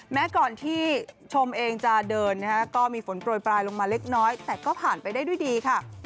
แม้ก่อนที่ชมเองจะเดินนะฮะก็มีฝนโปรยปลายลงมาเล็กน้อยแต่ก็ผ่านไปได้ด้วยดีค่ะ